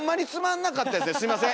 すいません。